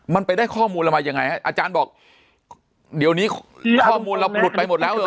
มันไปได้ข้อมูลเรามายังไงฮะอาจารย์บอกเดี๋ยวนี้ข้อมูลเราหลุดไปหมดแล้วเลย